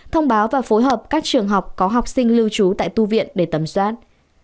thông báo và phối hợp các trường học có học sinh lưu trú tại tu viện để tầm soát